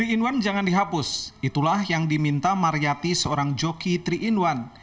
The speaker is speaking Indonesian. tiga in satu jangan dihapus itulah yang diminta mariyati seorang joki tiga in satu